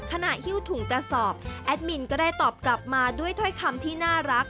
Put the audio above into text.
หิ้วถุงกระสอบแอดมินก็ได้ตอบกลับมาด้วยถ้อยคำที่น่ารัก